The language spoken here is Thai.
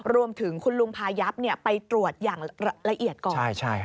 รวมถึงคุณลุงพายับไปตรวจอย่างละเอียดก่อน